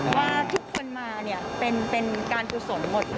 ว่าทุกคนมาเป็นการกุศลหมด